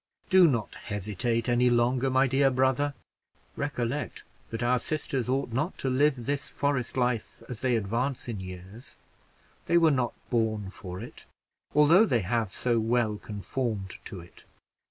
Do not hesitate any longer, my dear brother; recollect that our sisters ought not to live this forest life as they advance in years they were not born for it, although they have so well conformed to it.